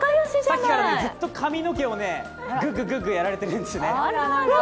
さっきからずっと髪の毛をグッググッグやられてるんです。